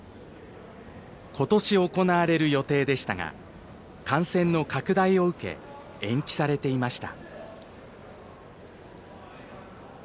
ことし行われる予定でしたが感染の拡大を受け延期されていました。